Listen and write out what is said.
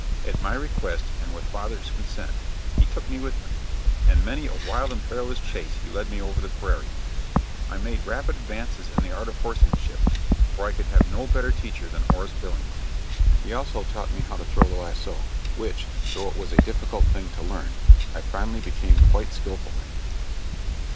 At my request and with father's consent, he took me with him, and many a wild and perilous chase he led me over the prairie. I made rapid advances in the art of horsemanship, for I could have had no better teacher than Horace Billings. He also taught me how to throw the lasso, which, though it was a difficult thing to learn, I finally became, quite skillful in.